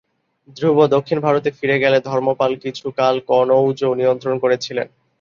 ধ্রুব দক্ষিণ ভারতে ফিরে গেলে ধর্মপাল কিছুকাল কনৌজ নিয়ন্ত্রণ করেছিলেন।